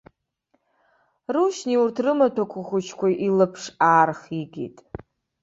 Рушьни урҭ рымаҭәа хәыҷқәа илаԥш аархигеит.